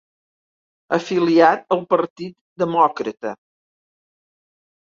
Afiliat al Partit Demòcrata.